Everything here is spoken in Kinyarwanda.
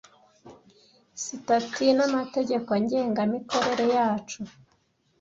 sitati n amategeko ngengamikorere yacu